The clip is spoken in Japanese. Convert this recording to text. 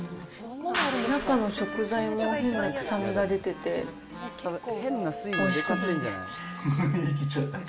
中の食材も変な臭みが出てて、おいしくないですね。